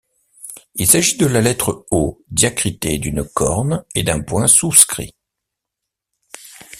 Il s’agit de la lettre O diacritée d’une corne et d’un point souscrit.